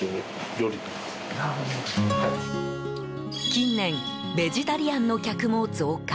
近年ベジタリアンの客も増加。